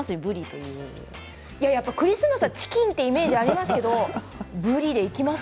いやいやクリスマスはチキンというイメージがありますけどぶりでいきます？